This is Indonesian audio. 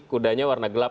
kudanya warna gelap